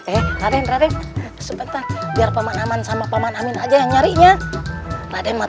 eh raden raden sebentar biar paman aman sama paman amin aja yang nyarinya raden mah